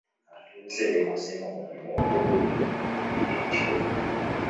Abatuuze beekozeemu omulimu ogwo kukwata ababbi ekiro.